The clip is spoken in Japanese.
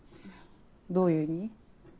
どういう意味？